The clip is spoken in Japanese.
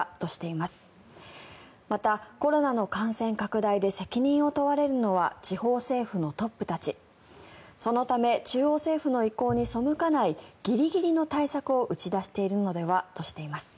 また、コロナの感染拡大で責任を問われるのは地方政府のトップたちそのため中央政府の意向に背かないギリギリの対策を打ち出しているのではとしています。